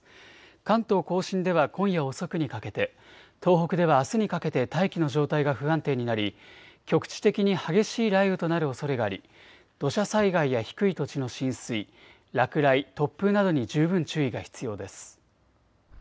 関東甲信では今夜遅くにかけて、東北ではあすにかけて大気の状態が不安定になり局地的に激しい雷雨となるおそれがあり土砂災害や低い土地の浸水、落雷、突風などに十分注意が必要です。